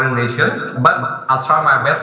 karena masalah ini tidak dikurangkan oleh saya